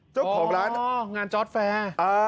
จุดของร้านอ๋องานจอร์สแฟร์อ๋อ